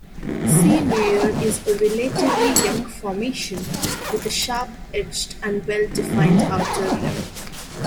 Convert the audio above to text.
C. Mayer is a relatively young formation, with a sharp-edged and well-defined outer rim.